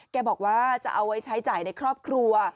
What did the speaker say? แกบอกว่าจะเอาไว้ใช้จ่ายในครอบครัว